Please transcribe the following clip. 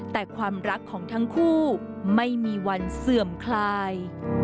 แต่ความรักของทั้งคู่ไม่มีวันเสื่อมคลาย